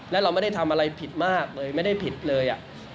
แล้วเราไม่ได้ทำอะไรผิดมากเลยไม่ได้ผิดเลย